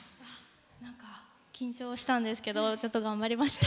なんか緊張したんですけどちょっと頑張りました。